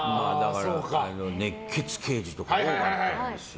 熱血刑事とか多かったですよ。